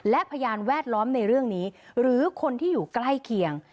และพยานแวดล้อมในเรื่องนี้หรือคนที่อยู่ใกล้เคียง